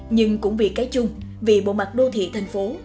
nhưng cũng vì cái chung vì bộ mặt đô thị thành phố